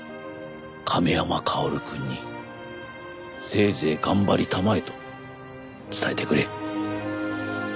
亀山薫くんにせいぜい頑張りたまえと伝えてくれ。